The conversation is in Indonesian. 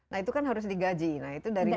nah itu kan harus digaji nah itu dari mana